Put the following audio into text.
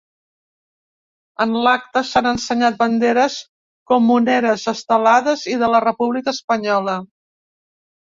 En l’acte s’han ensenyat banderes comuneres, estelades i de la república espanyola.